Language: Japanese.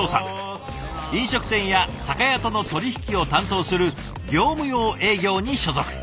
飲食店や酒屋との取り引きを担当する業務用営業に所属。